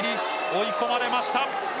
追い込まれました。